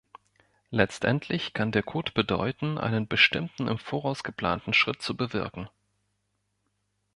Letztendlich kann der Code bedeuten, einen bestimmten im Voraus geplanten Schritt zu bewirken.